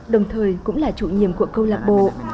đồng thời cũng là chủ nhiệm của câu lạc bộ